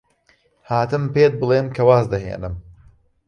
هاتم پێت بڵێم کە واز دەهێنم.